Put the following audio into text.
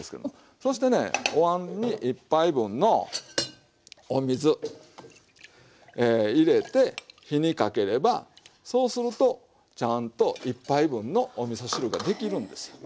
そしてねおわんに１杯分のお水え入れて火にかければそうするとちゃんと１杯分のおみそ汁ができるんですよ。